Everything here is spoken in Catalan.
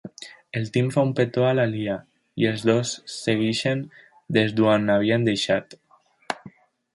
El Tim fa un petó a la Leah, i els dos segueixen des d'on ho havien deixat.